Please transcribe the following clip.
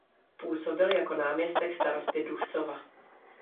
Působil jako náměstek starosty Duchcova.